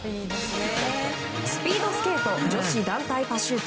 スピードスケート女子団体パシュート。